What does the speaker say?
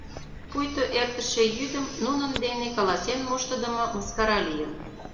Пуйто эртыше йӱдым нунын дене каласен моштыдымо мыскара лийын.